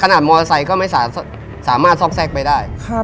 มอเตอร์ไซค์ก็ไม่สามารถซอกแทรกไปได้